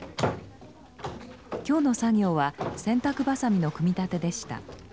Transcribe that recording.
今日の作業は洗濯ばさみの組み立てでした。